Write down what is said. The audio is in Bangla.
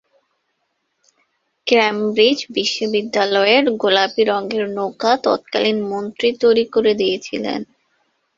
ক্যামব্রিজ বিশ্ববিদ্যালয়ের গোলাপি রঙের নৌকা তৎকালীন মন্ত্রী তৈরি করে দিয়েছিলেন।